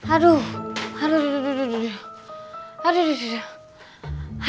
aduh aduh aduh aduh aduh